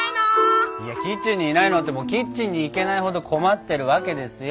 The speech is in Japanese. いやキッチンにいないのってキッチンに行けないほど困ってるわけですよ。